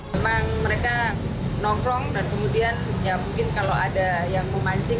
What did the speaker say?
memang mereka nongkrong dan kemudian ya mungkin kalau ada yang memancing